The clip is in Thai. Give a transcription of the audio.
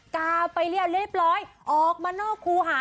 กาวไปเรียบเรียบร้อยออกมานอกครูหา